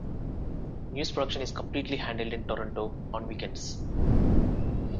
News production is completely handled in Toronto on weekends.